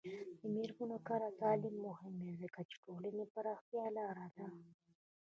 د میرمنو کار او تعلیم مهم دی ځکه چې ټولنې پراختیا لاره ده.